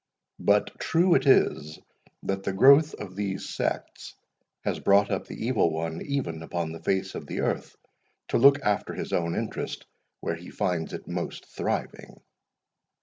"But true it is, that the growth of these sects has brought up the Evil One even upon the face of the earth, to look after his own interest, where he finds it most thriving."